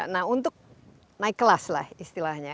nah untuk naik kelas lah istilahnya